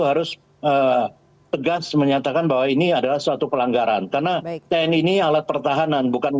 harus tegas menyatakan bahwa ini adalah suatu pelanggaran karena tni ini alat pertahanan bukan